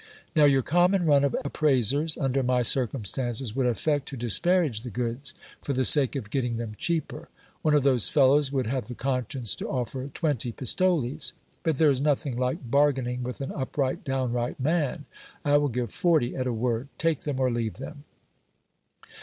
Now your common run of appraisers, under my circumstances, would affect to disparage the goods for the sake of getting them cheaper ; one of those fellows would have the conscience to offer twenty pistoles ; but there is nothing like bargain ing with an upright, downright man ! I will give forty at a word ; take them or leave them